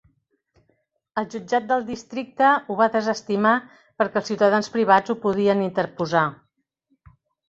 El jutjat del districte ho va desestimar perquè els ciutadans privats ho podien interposar.